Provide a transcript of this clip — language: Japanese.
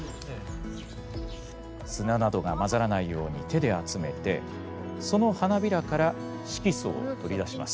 砂などが混ざらないように手で集めてその花びらから色素を取り出します。